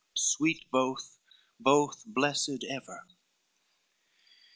sweet both, both blessed ever."